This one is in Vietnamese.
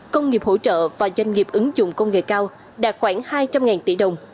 công nghiệp hỗ trợ và doanh nghiệp ứng dụng công nghệ cao đạt khoảng hai trăm linh tỷ đồng